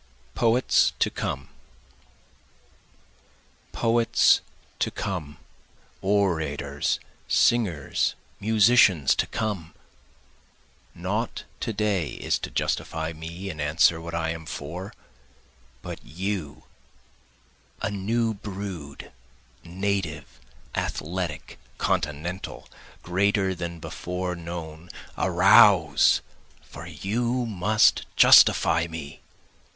Poets to Come Poets to come! orators, singers, musicians to come! Not to day is to justify me and answer what I am for, But you, a new brood, native, athletic, continental, greater than before known, Arouse! for you must justify me.